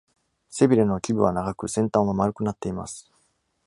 背びれの基部は長く、先端は丸くなっています。